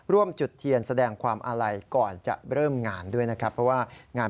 ร่วมจุดเทียนแสดงความอาลัยก่อนจะเริ่มงานด้วยนะครับ